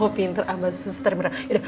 oh pinter sama suster mirna